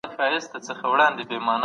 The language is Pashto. د وړانګو په مټ وران توري لوستل کیږي.